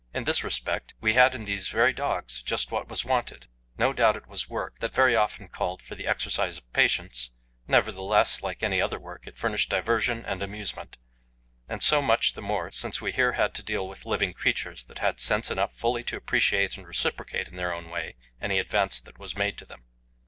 In this respect we had in these very dogs just what was wanted. No doubt it was work that very often called for the exercise of patience; nevertheless, like any other work, it furnished diversion and amusement, and so much the more since we here had to deal with living creatures that had sense enough fully to appreciate and reciprocate in their own way any advance that was made to them.